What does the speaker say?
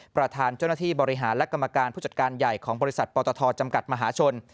ประธานเจ้าหน้าที่บริหารและกรรมการผู้จัดการใหญ่ของบริษัทปตทจำกัดมหาชน